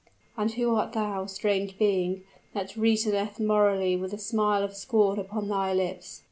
"And who art thou, strange being, that reasoneth morally with the smile of scorn upon thy lips?"